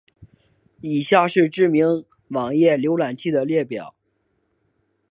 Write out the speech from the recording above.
以下是知名的网页浏览器的列表。